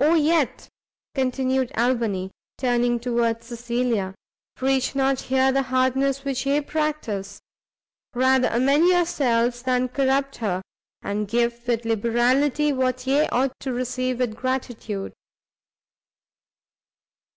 "Oh yet," continued Albany, turning towards Cecilia, "preach not here the hardness which ye practice; rather amend yourselves than corrupt her; and give with liberality what ye ought to receive with gratitude!"